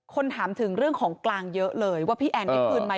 ถามถึงเรื่องของกลางเยอะเลยว่าพี่แอนได้คืนไหม